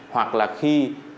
hoặc là khi